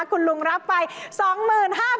คุณลุงรับไป๒๕๐๐บาท